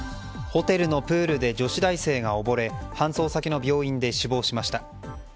ホテルのプールで女子大生が溺れ搬送先の病院で死亡しました。